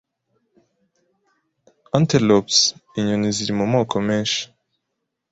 Antelopes, Inyoni ziri mu moko menshi;